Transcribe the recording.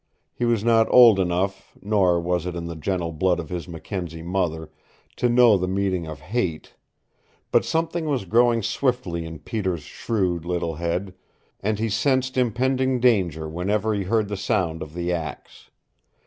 He was not old enough nor was it in the gentle blood of his Mackenzie mother to know the meaning of hate; but something was growing swiftly in Peter's shrewd little head, and he sensed impending danger whenever he heard the sound of the axe.